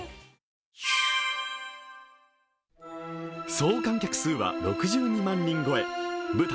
総観客数は６２万人超え舞台